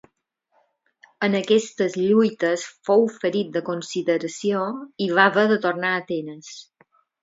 En aquestes lluites fou ferit de consideració i va haver de tornar a Atenes.